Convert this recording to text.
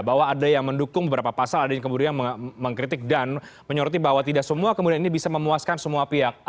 bahwa ada yang mendukung beberapa pasal ada yang kemudian mengkritik dan menyoroti bahwa tidak semua kemudian ini bisa memuaskan semua pihak